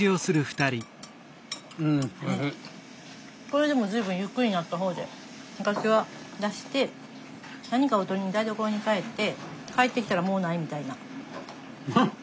これでも随分ゆっくりになった方で昔は出して何かを取りに台所に帰って帰ってきたらもうないみたいな。